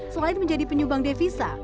selain menjadi penyumbang devisa